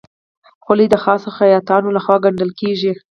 خولۍ د خاصو خیاطانو لهخوا ګنډل کېږي.